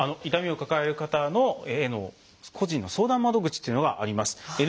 痛みを抱える方の個人の相談窓口というのがあります。